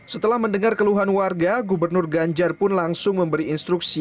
setelah mendengar keluhan warga gubernur ganjar pun langsung memberi instruksi